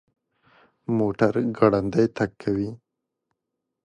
موټر ګړندی تګ کوي